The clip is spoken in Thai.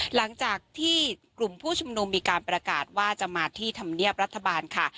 หลังจากที่กลุ่มผู้ชุมนุมมีการประกาศว่าจะมาที่ธรรมเนียบรัฐบาลค่ะ